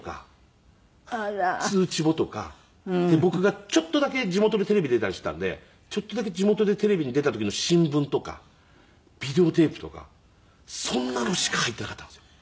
僕がちょっとだけ地元でテレビ出たりしていたんでちょっとだけ地元でテレビに出た時の新聞とかビデオテープとかそんなのしか入っていなかったんですよ。